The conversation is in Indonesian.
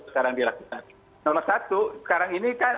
sekarang dilakukan nomor satu sekarang ini kan